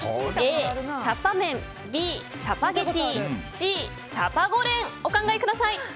Ａ、チャパメンＢ、チャパゲティＣ、チャパゴレンお考えください！